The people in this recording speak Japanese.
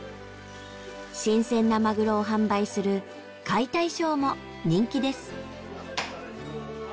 新鮮なマグロを販売する解体ショーも人気です。